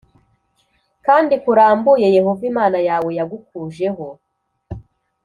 kandi kurambuye Yehova Imana yawe yagukujeyo.